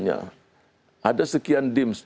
ada sekian dims